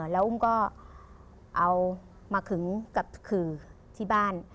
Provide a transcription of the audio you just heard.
แล้วอุ้มก็เอามาขึงกับขื่อที่บ้าน